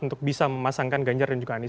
untuk bisa memasangkan ganjar dan juga anies